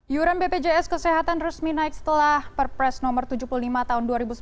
iuran bpjs kesehatan resmi naik setelah perpres nomor tujuh puluh lima tahun dua ribu sembilan belas